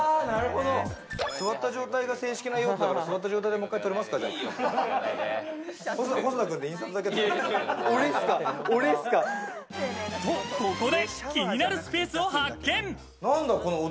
座った状態が正式な用途だから、座った状態でと、ここで気になるスペースを発見。